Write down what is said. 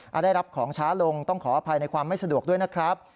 ถ้าได้รับของช้าลงต้องขออภัยในความไม่สะดวกด้วยนะครับ